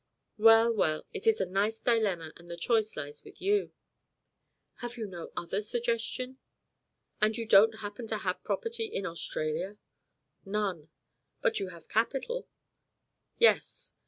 "Well, well, it is a nice dilemma, and the choice lies with you." "Have you no other suggestion?" "You don't happen to have property in Australia?" "None." "But you have capital?" "Yes."